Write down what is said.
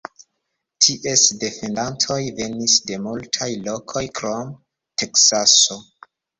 Ties defendantoj venis de multaj lokoj krom Teksaso.